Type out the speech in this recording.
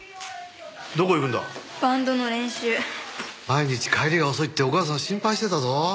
毎日帰りが遅いってお母さん心配してたぞ。